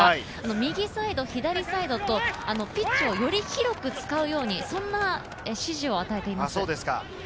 右サイド、左サイドとピッチをより広く使うように、そんな指示を与えています。